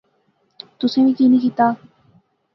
تسیں وی کی نی کیتیا